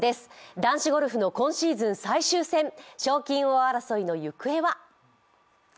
男子ゴルフの今シーズン最終戦、賞金王争いのゆくえは？